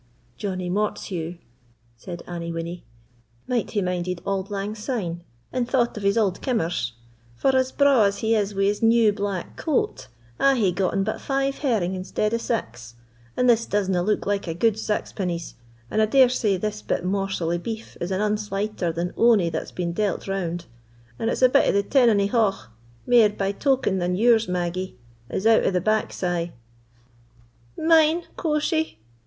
"Johnie Mortheuch," said Annie Winnie, "might hae minded auld lang syne, and thought of his auld kimmers, for as braw as he is with his new black coat. I hae gotten but five herring instead o' sax, and this disna look like a gude saxpennys, and I dare say this bit morsel o' beef is an unce lighter than ony that's been dealt round; and it's a bit o' the tenony hough, mair by token that yours, Maggie, is out o' the back sey." "Mine, quo' she!"